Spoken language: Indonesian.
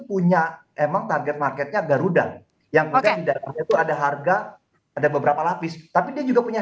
punya emang target marketnya garuda yang ada harga ada beberapa lapis tapi dia juga punya